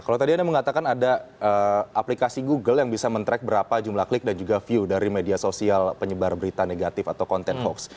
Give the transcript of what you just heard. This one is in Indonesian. kalau tadi anda mengatakan ada aplikasi google yang bisa men track berapa jumlah klik dan juga view dari media sosial penyebar berita negatif atau konten hoax